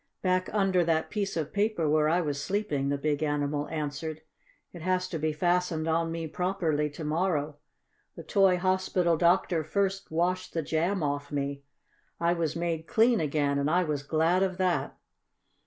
"Back under that piece of paper where I was sleeping," the big animal answered. "It is to be fastened on me properly tomorrow. The toy hospital doctor first washed the jam off me. I was made clean again, and I was glad of that.